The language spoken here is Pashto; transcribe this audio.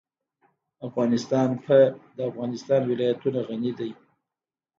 افغانستان په د افغانستان ولايتونه غني دی.